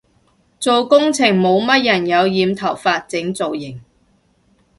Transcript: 做工程冇乜人有染頭髮整造型